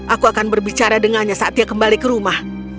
aku akan berbicara dengannya saat dia kembali ke rumah